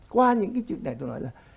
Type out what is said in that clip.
qua những cái chuyện này tôi nói là